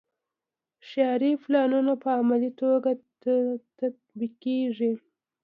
ښاري پلانونه په عملي توګه تطبیقیږي.